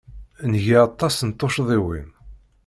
Nga aṭas n tuccḍiwin.